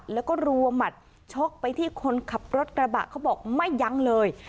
แล้วก็รัวหมัดชกไปที่คนขับรถกระบะเขาบอกไม่ยั้งเลย